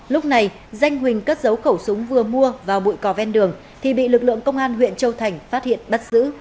lúc này danh huỳnh cất dấu khẩu súng vừa mua vào bụi cò ven đường thì bị lực lượng công an huyện châu thành phát hiện bắt giữ